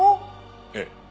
ええ。